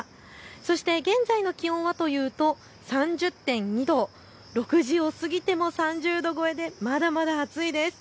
そして現在の気温はというと３０．２度、６時を過ぎても３０度超えでまだまだ暑いです。